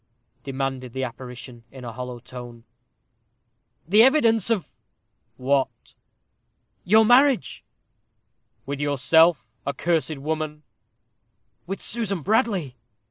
demanded the apparition, in a hollow tone. "The evidence of " "What?" "Your marriage." "With yourself, accursed woman?" "With Susan Bradley."